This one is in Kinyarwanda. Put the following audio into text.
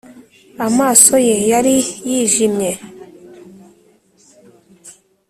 amaso ye yari yijimye,